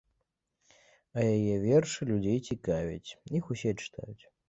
А яе вершы людзей цікавяць, іх усе чытаюць.